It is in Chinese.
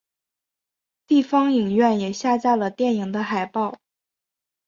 地方影院也下架了电影的海报。